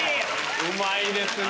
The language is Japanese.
うまいですね。